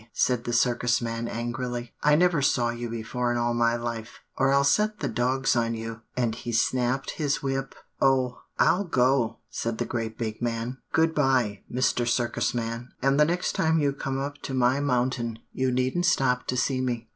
said the Circus man angrily. 'I never saw you before in all my life; or I'll set the dogs on you,' and he snapped his whip. "'Oh, I'll go,' said the great big man. 'Good by, Mr. Circus man; the next time you come up to my mountain you needn't stop to see me.